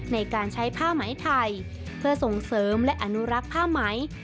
ในการใช้ผ้าไหมไทยเพื่อส่งเสริมและอนุรักษ์ผ้าไหม